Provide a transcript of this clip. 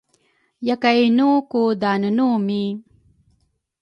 Yakay inu ku daane numi?